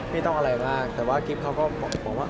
ไม่ต้องอะไรมากแต่ว่ากิ๊บเขาก็บอกว่า